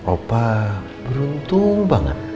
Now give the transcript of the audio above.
opah beruntung banget